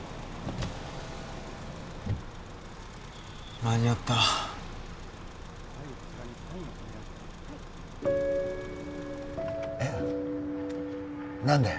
間に合ったえッ何で？